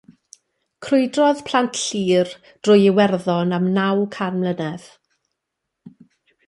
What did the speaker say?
Crwydrodd plant Llŷr drwy Iwerddon am naw can mlynedd.